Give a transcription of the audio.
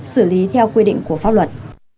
xử lý theo quy định của pháp luật